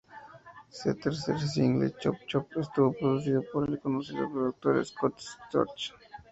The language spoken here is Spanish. Se tercer single "Chop Chop" estuvo producido por el conocido productor Scott Storch.